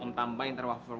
om tambahin ntar wafur